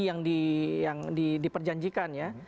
ada janji yang diperjanjikan ya